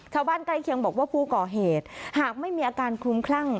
ใกล้เคียงบอกว่าผู้ก่อเหตุหากไม่มีอาการคลุมคลั่ง